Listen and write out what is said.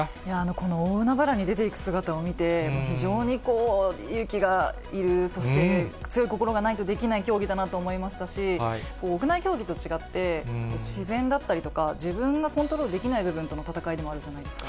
この大海原に出ていく姿を見て、非常にこう、勇気がいる、そして強い心がないとできない競技だなと思いましたし、屋内競技と違って、自然だったりとか、自分がコントロールできない部分との戦いでもあるじゃないですか。